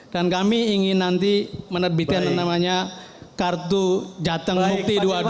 dan kami ingin nanti menerbitkan yang namanya kartu jateng mukti dua dua